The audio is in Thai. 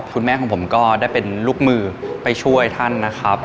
คุณแม่ของผมก็ได้เป็นลูกมือไปช่วยท่านนะครับ